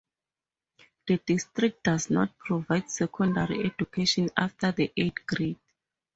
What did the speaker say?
The district does not provide secondary education after the eighth grade.